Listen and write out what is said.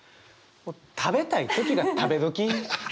「食べたい時が食べ時」。